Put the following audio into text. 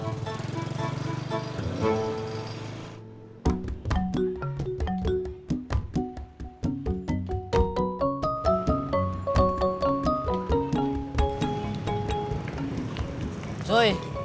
siapa yang diobati